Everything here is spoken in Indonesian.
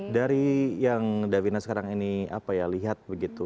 dari yang davina sekarang ini apa ya lihat begitu